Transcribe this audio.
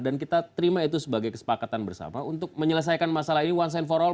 dan kita terima itu sebagai kesepakatan bersama untuk menyelesaikan masalah ini one sign for all